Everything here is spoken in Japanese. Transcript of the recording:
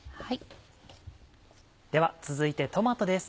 では続いてトマトです